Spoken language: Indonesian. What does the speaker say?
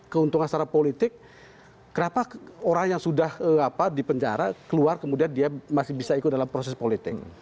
keuntungan secara politik kenapa orang yang sudah dipenjara keluar kemudian dia masih bisa ikut dalam proses politik